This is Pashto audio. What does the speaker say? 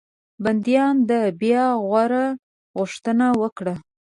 بنديانو د بیا غور غوښتنه وکړه.